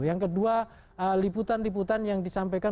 yang kedua liputan liputan yang disampaikan